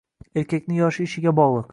Erkakning yoshi ishiga bog’liq.